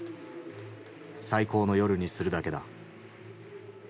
最高の夜にするだけだ。